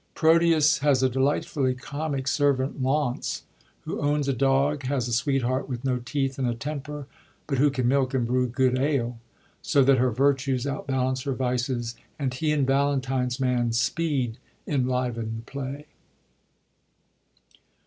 Proteus has a delightfully comic servant Launce, who owns a dog, has a sweetheart with no teeth and a temper, but who can milk and brew good ale, so that her virtues outbalance her vices ; and he and Valentine's man Speed enliven the play.